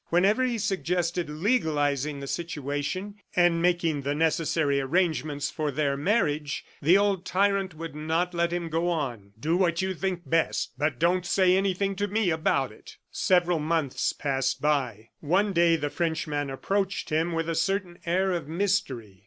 Whenever he suggested legalizing the situation and making the necessary arrangements for their marriage, the old tyrant would not let him go on. "Do what you think best, but don't say anything to me about it." Several months passed by. One day the Frenchman approached him with a certain air of mystery.